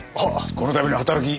このたびの働き